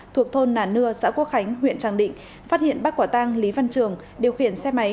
thuộc thôn nà nưa xã quốc khánh huyện tràng định phát hiện bắt quả tang lý văn trường điều khiển xe máy